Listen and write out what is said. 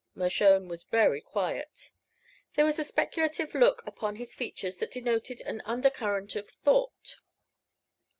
Mershone was very quiet. There was a speculative look upon his features that denoted an undercurrent of thought.